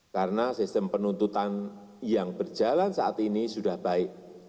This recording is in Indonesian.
karena sistem penuntutan yang berjalan saat ini sudah baik